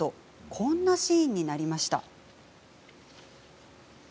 こんなシーンになりました。